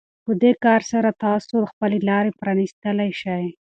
په دې کار سره تاسو خپلې لارې پرانيستلی شئ.